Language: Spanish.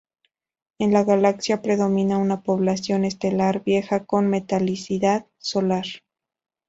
En la galaxia predomina una población estelar vieja con metalicidad solar.